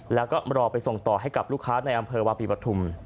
แล้วก็รอไปส่งต่อให้กับลูกค้าในอำเภอวาปีปฐุม